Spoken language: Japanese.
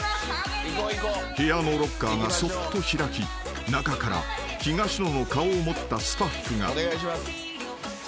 ［部屋のロッカーがそっと開き中から東野の顔を持ったスタッフが］